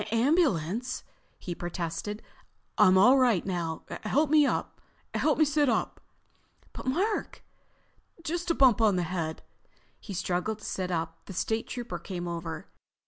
"Ambulance?" he protested. "I'm all right now. Help me—sit up." "But Mark——" "Just a bump on the head." He struggled to sit up. The State Trooper came over.